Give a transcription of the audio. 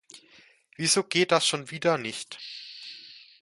Wieso geht das schon wieder nicht?